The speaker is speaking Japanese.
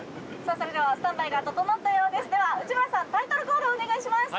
それではスタンバイが整ったようですでは内村さんタイトルコールお願いします